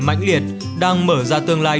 mạnh liệt đang mở ra tương lai